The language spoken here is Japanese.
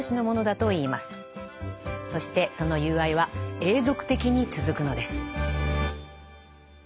そしてその友愛は永続的に続くのです。